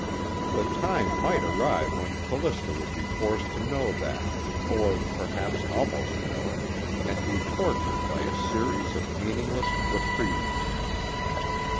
The time might arrive when Callista would be forced to know that or perhaps almost know it, and be tortured by a series of meaningless reprieves.